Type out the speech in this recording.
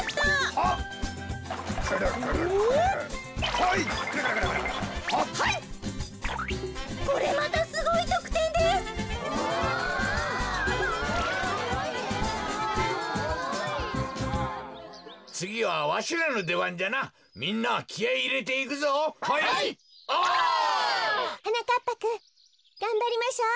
お！はなかっぱくんがんばりましょう。